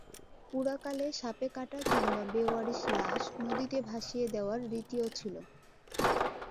পুরাকালে সাপে কাটা কিংবা বেওয়ারিশ লাশ নদীতে ভাসিয়ে দেওয়ার রীতিও ছিল।